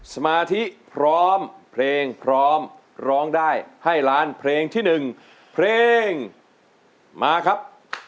สมาธิพร้อมเพลงพร้อมร้องได้ให้ล้านเพลงที่๑เพลงมาครับ